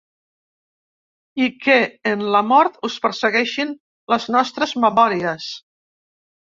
I que en la mort us persegueixin les nostres memòries.